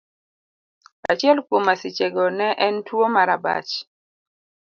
Achiel kuom masichego ne en tuwo mar abach.